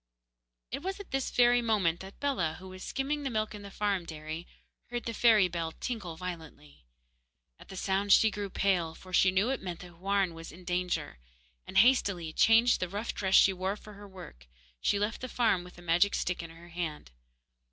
It was at this very moment that Bellah, who was skimming the milk in the farm dairy, heard the fairy bell tinkle violently. At the sound she grew pale, for she knew it meant that Houarn was in danger; and, hastily, changing the rough dress she wore for her work, she left the farm with the magic stick in her hand.